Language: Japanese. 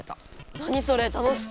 何それ楽しそう。